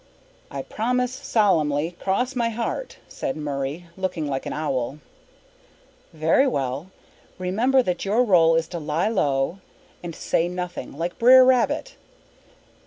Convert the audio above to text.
"I promise solemnly, 'cross my heart,'" said Murray, looking like an owl. "Very well. Remember that your role is to lie low and say nothing, like Brer Rabbit.